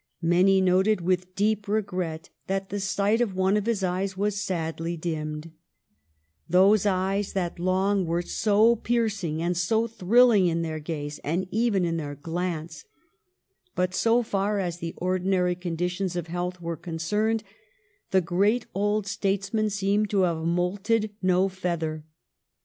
Many noted with deep regret that the sight of one of his eyes was sadly dimmed, — those eyes that long were so piercing and so thrilling in their gaze and even in their glance, — but, so far as the ordinary conditions of health were concerned, the great old statesman seemed to have moulted no feather.